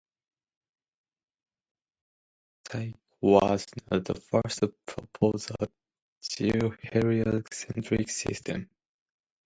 Tycho was not the first to propose a geoheliocentric system.